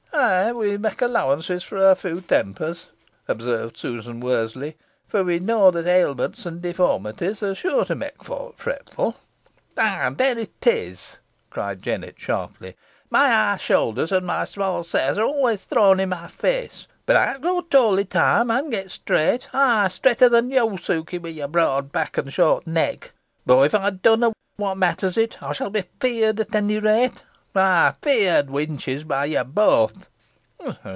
"Eigh, we may allowance fo her feaw tempers," observed Susan Worseley; "fo we knoa that ailments an deformities are sure to may folk fretful." "Eigh, there it is," cried Jennet, sharply. "My high shoulthers an sma size are always thrown i' my feace. Boh ey'st grow tall i' time, an get straight eigh straighter than yo, Suky, wi' your broad back an short neck boh if ey dunna, whot matters it? Ey shall be feared at onny rate ay, feared, wenches, by ye both."